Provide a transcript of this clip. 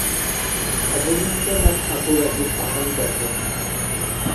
অবনীন্দ্রনাথ ঠাকুর একজন বাঙালি লেখক।